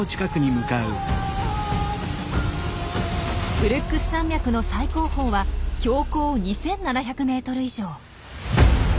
ブルックス山脈の最高峰は標高２，７００ｍ以上。